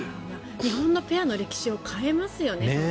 日本のペアの歴史を変えますよね。